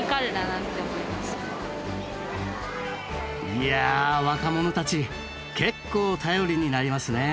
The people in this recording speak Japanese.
いや若者たち結構頼りになりますね。